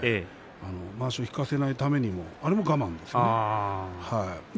まわしを引かせないためにもやっぱり我慢ですね。